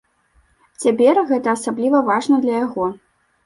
Цяпер гэта асабліва важна для яго.